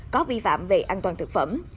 có vi phạm về an toàn thực phẩm